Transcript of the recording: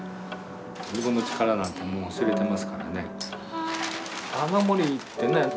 自分の力なんてもう知れてますからね。